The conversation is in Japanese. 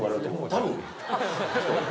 多分？